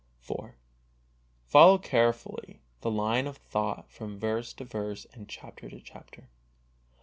IV. Follow carefully the line of thought from verse to verse and chapter to chapter.